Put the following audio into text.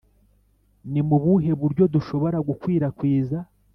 Ni mu buhe buryo dushobora gukwirakwiza